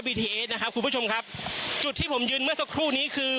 ทีเอสนะครับคุณผู้ชมครับจุดที่ผมยืนเมื่อสักครู่นี้คือ